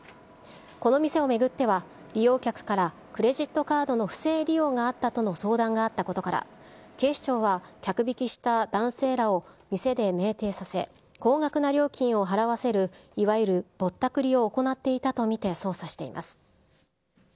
この店を巡っては、利用客からクレジットカードの不正利用があったとの相談があったことから、警視庁は客引きした男性らを店で酩酊させ、高額な料金を払わせるいわゆるぼったくりを行っていたと見て、捜査しています。